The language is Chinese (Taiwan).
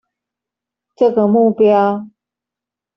這個目標